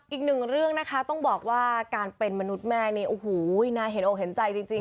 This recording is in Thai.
อีกหนึ่งเรื่องนะคะต้องบอกว่าการเป็นมนุษย์แม่นี่โอ้โหน่าเห็นอกเห็นใจจริง